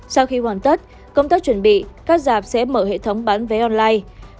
sau khi hoàn tất công tác chuẩn bị các giảp sẽ mở hệ thống bán vé online